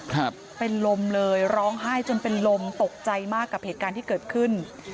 ครับเป็นลมเลยร้องไห้จนเป็นลมตกใจมากกับเหตุการณ์ที่เกิดขึ้น